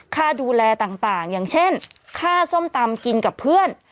ค่าดูแลต่างอย่างเช่นค่าส้มตำกินกับเพื่อน